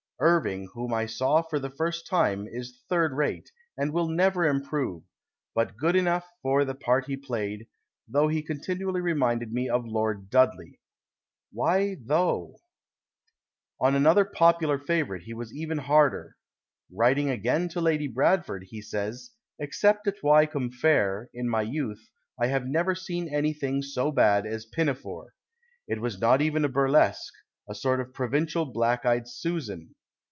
Irving whom I saw for the first time, is third rate, and never will improve, but good eno' for the part he played, tho' he con tinually reminded me of Lord Dudley. ..." Why " though "? On another popular favourite he was even harder. 152 DISRAELI AND THE PLAY Writing again to Lady Bradford, he says :—" Except at Wycombe Fair, in my youth, I have never seen anything so bad as Pinafore. It was not even a burlesque, a sort of provincial Black eyed Susan.